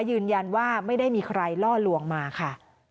ยืนยันว่าไม่ได้มีใครล่อลวงมาค่ะ